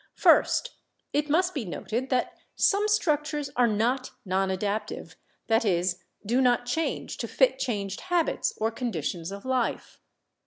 First, it must be noted that some structures are not non adaptive, that is, do not change to fit changed habits or conditions of life.